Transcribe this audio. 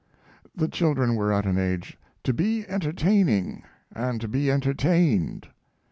The children were at an age "to be entertaining, and to be entertained."